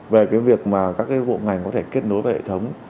về cái việc mà các cái bộ ngành có thể kết nối với hệ thống